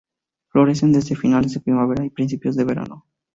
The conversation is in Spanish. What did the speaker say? Florecen desde finales de primavera y principios de verano.